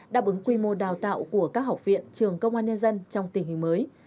đáp ứng quy mô đào tạo của các học viện trường công an nhân dân trong tình hình mới